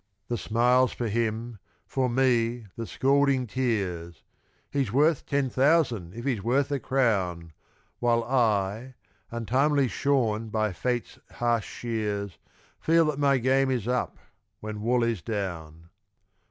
The smiles for him for me the scalding tears; He's worth ten thousand if he's worth a crown, While I untimely shorn by Fate's harsh shears Feel that my game is up when wool is down.